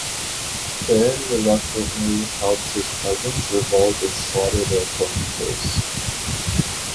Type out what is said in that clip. Kane reluctantly helps his cousins revolt and slaughter their tormentors.